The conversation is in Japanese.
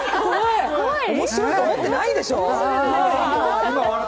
面白いと思ってないでしょ？